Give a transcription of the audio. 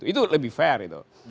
itu lebih fair itu